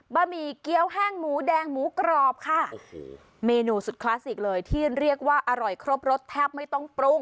หมี่เกี้ยวแห้งหมูแดงหมูกรอบค่ะโอ้โหเมนูสุดคลาสสิกเลยที่เรียกว่าอร่อยครบรสแทบไม่ต้องปรุง